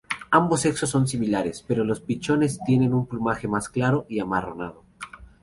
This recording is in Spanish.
Ambos sexos son similares, pero los pichones tienen un plumaje más claro y amarronado.